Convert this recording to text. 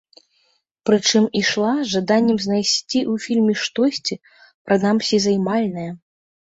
Прычым ішла з жаданнем знайсці ў фільме штосьці, прынамсі, займальнае.